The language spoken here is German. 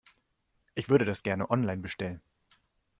Ich würde das gerne online bestellen.